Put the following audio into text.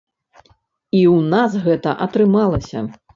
І ў нас гэта атрымалася.